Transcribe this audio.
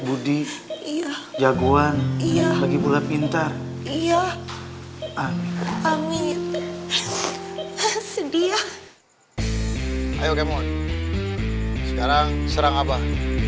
jadi jagoan iya lagi pula pintar iya amin amin sedia ayo kamu sekarang serang abah